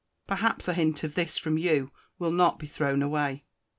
Perhaps a hint of this from you will not be thrown away.